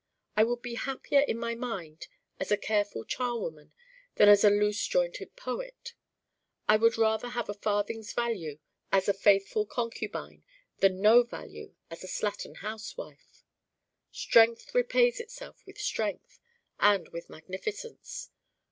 I would be happier in my mind as a careful charwoman than as a loose jointed poet. I would rather have a farthing's value as a faithful concubine than no value as a slattern housewife. Strength repays itself with strength and with magnificence.